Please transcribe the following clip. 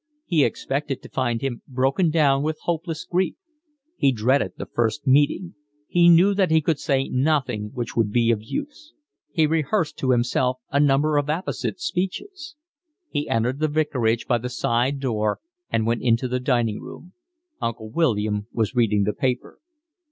He expected to find him broken down with hopeless grief. He dreaded the first meeting; he knew that he could say nothing which would be of use. He rehearsed to himself a number of apposite speeches. He entered the vicarage by the side door and went into the dining room. Uncle William was reading the paper.